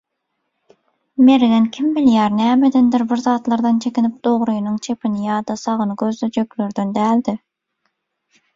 Mergen kim bilýär nämedendir bir zatlardan çekinip, dogrynyň çepini ýa-da sagyny gözlejeklerden däldi.